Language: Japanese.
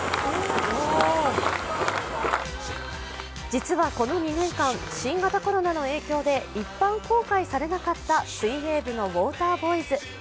実はこの２年間、新型コロナの影響で一般公開されなかった水泳部のウォーターボーイズ。